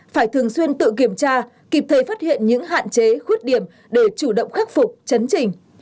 phải thường xuyên tự kiểm tra kịp thời phát hiện những hạn chế khuyết điểm để chủ động khắc phục chấn trình